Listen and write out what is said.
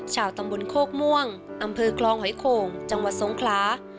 ชาวตำบลโคกม่วงอำเภอคลองหอยโข่งจังหวัดสงคลา